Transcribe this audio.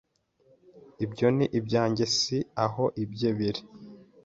Ibyo ni ibyanjye. Sinzi aho ibye biri.